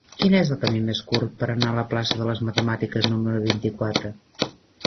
Quin és el camí més curt per anar a la plaça de les Matemàtiques número vint-i-quatre?